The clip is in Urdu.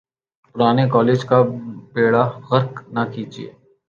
پرانے کالج کا بیڑہ غرق نہ کیجئے۔